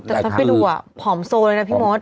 แต่ถ้าไปดูผอมโซเลยนะพี่มด